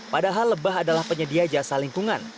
padahal lebah adalah penyedia jasa lingkungan